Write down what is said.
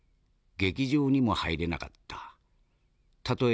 劇場にも入れなかった。